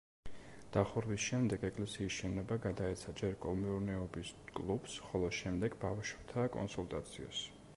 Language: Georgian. დახურვის შემდეგ ეკლესიის შენობა გადაეცა ჯერ კოლმეურნეობის კლუბს, ხოლო შემდეგ ბავშვთა კონსულტაციას.